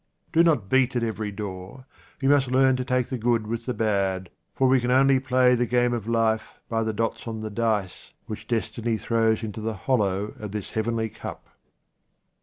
Do not beat at every door. We must learn to take the good with the bad, for we can only 36 QUATRAINS OF OMAR KHAYYAM play the game of life by the dots on the dice which destiny throws into the hollow of this heavenly cup.